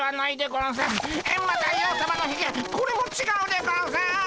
これもちがうでゴンス！